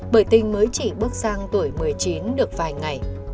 bởi tình mới chỉ bước sang tuổi một mươi chín được vài ngày